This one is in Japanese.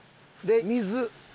で水。